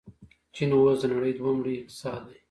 چین اوس د نړۍ دویم لوی اقتصاد دی.